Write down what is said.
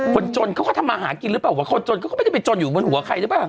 คนจนเขาก็ทำมาหากินหรือเปล่าว่าคนจนเขาก็ไม่ได้ไปจนอยู่บนหัวใครหรือเปล่า